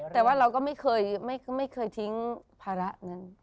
แต่ว่าเราก็ไม่เคยทิ้งภาระเงิน